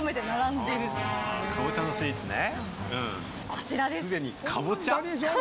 こちらです。